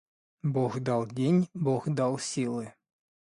Бог дал день, Бог дал силы.